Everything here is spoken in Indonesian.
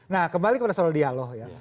nah kembali kepada soal dialog ya